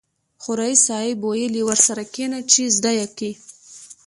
خو ريس صيب ويلې ورسره کېنه چې زده يې کې.